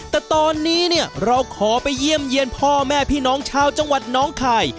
แต่ตอนนี้เนี่ยเราขอไปเยี่ยมเยี่ยนพ่อแม่พี่น้องชาวจังหวัดน้องคาย